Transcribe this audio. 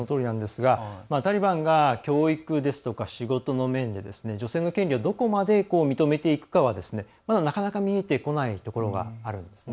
タリバンが教育や仕事の面で女性の権利をどこまで認めていくかは、まだなかなか見えてこないところがあるんですね。